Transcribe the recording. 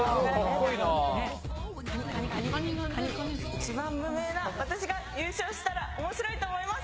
一番無名な私が優勝したらおもしろいと思います。